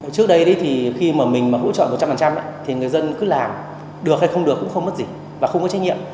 trước đây khi mình hỗ trợ một trăm linh người dân cứ làm được hay không được cũng không mất gì và không có trách nhiệm